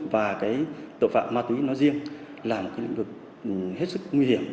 và tội phạm ma túy nó riêng là một lĩnh vực hết sức nguy hiểm